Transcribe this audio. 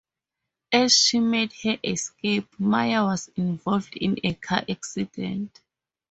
As she made her escape, Maya was involved in a car accident.